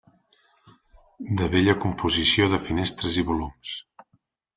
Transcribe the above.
De bella composició de finestres i volums.